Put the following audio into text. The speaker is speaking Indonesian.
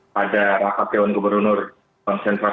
pada rakyat dewan keberunur bank sentral